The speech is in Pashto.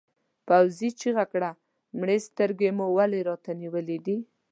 پوځي چیغه کړه مړې سترګې مو ولې راته نیولې دي؟